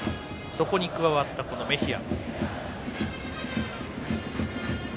そこに加わった、このメヒア。